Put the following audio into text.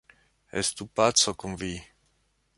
Estu paco kun vi!